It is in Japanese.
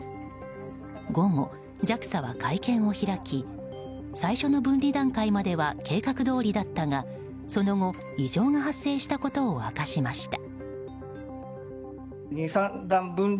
午後、ＪＡＸＡは会見を開き最初の分離段階までは計画どおりだったがその後、異常が発生したことを明かしました。